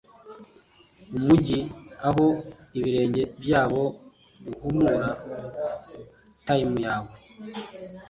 Umujyi aho ibirenge byabo bihumura tme yawe